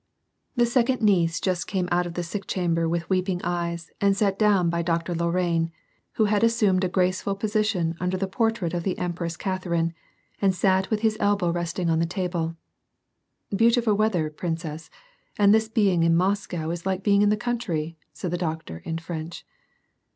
WAR AND PEACE. 83 The second niece just came out of the sick chamber with weeping eyes and sat down by Doctor Lorrain, who had as sumed a graceful position under the portrait of the Empress Catherine, and sat with his elbow resting on the table. *• Beautiful weather, princess, and this being in Moscow is like being in the country," said the doctor, in French.